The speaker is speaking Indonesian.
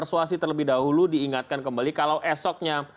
tidak ada orang yang makan